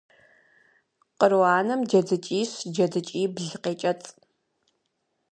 Къру анэм джэдыкӏищ-джэдыкӏибл къекӏэцӏ.